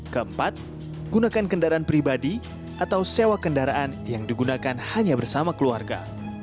keempat gunakan kendaraan pribadi atau sewa kendaraan yang digunakan hanya bersama keluarga